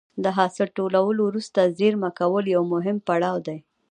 د حاصل ټولولو وروسته زېرمه کول یو مهم پړاو دی.